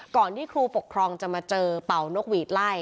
ที่ครูปกครองจะมาเจอเป่านกหวีดไล่